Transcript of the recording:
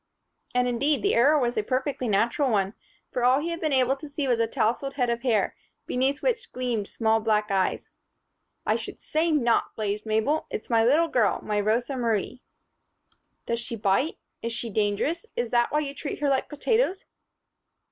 And, indeed, the error was a perfectly natural one, for all he had been able to see was a tousled head of hair, beneath which gleamed small black eyes. "I should say not!" blazed Mabel. "It's my little girl my Rosa Marie." "Does she bite? Is she dangerous? Is that why you treat her like potatoes?"